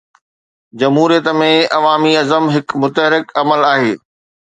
جمهوريت ۾ عوامي عزم هڪ متحرڪ عمل آهي.